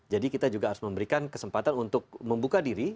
jadi kita juga harus memberikan kesempatan untuk membuka diri